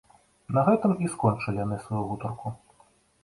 На гэтым і скончылі яны сваю гутарку.